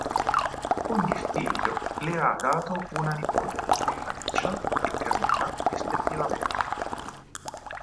Ogni figlio le ha dato una nipote: Alicia e Camila rispettivamente.